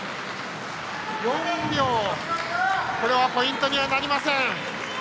４秒なのでポイントにはなりません。